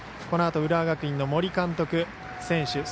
このあと浦和学院の森監督、選手